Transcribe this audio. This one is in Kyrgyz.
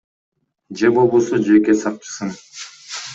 Же болбосо жеке сакчысын.